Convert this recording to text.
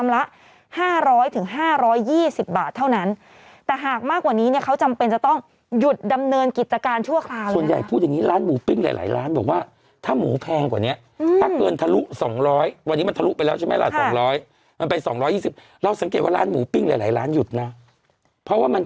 แล้วทำไมรู้ไหมวันนี้พอเสร็จรายการเนี่ยนะ